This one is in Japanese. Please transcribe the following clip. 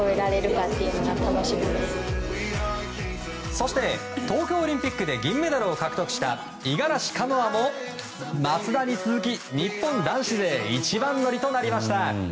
そして東京オリンピックで銀メダルを獲得した五十嵐カノアも、松田に続き日本男子勢一番乗りです。